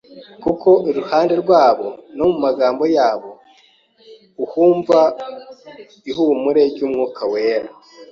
kuko iruhande rwabo no mu magambo yabo uhumva ihumure ry’Umwuka wera.